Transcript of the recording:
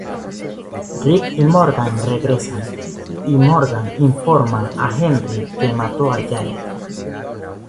Rick y Morgan regresan, y Morgan informa a Henry que mató a Jared.